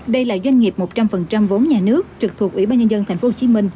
đây là doanh nghiệp một trăm linh vốn nhà nước trực thuộc ủy ban nhân dân tp hcm